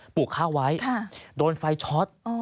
ลูกข้าวไว้โดนไฟช็อต